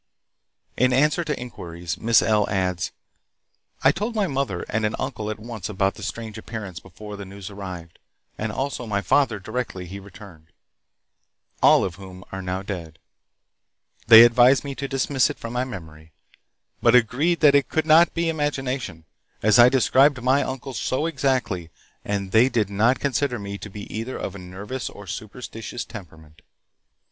In answer to inquiries, Miss L. adds: "I told my mother and an uncle at once about the strange appearance before the news arrived, and also my father directly he returned, all of whom are now dead. They advised me to dismiss it from my memory, but agreed that it could not be imagination, as I described my uncle so exactly, and they did not consider me to be either of a nervous or superstitious temperament.